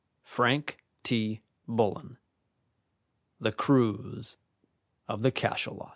Frank T. Bullen: "The Cruise of the Cachalot."